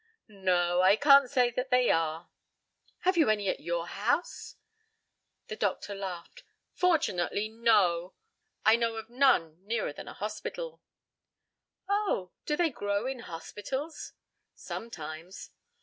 "No. I can't say that they are." "Have you any at your house?" The doctor laughed "Fortunately, no, I know of none nearer than a hospital." "Oh, do they grow in hospitals?" "Sometimes."